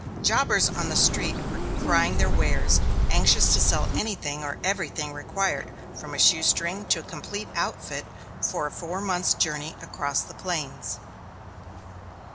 Jobbers on the street were crying their wares, anxious to sell anything or everything required, from a shoestring to a complete outfit for a four months' journey across the plains.